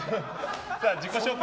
自己紹介